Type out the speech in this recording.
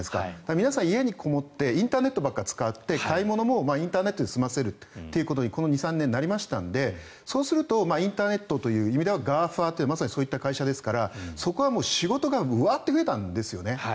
皆さん、家にこもってインターネットばっかり使って買い物もインターネットで済ませるということにこの２３年なりましたのでそうするとインターネットという意味ではＧＡＦＡというのはまさにそういった会社ですからそこが仕事がわっと増えたんですよね。